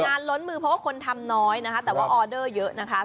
ล้นมือเพราะว่าคนทำน้อยนะคะแต่ว่าออเดอร์เยอะนะคะ